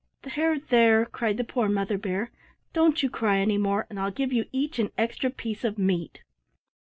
"There, there!" cried the poor Mother Bear, "don't you cry any more and I'll give you each an extra piece of meat."